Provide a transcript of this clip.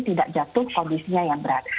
tidak jatuh kondisinya yang berat